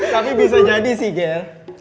tapi bisa jadi sih gel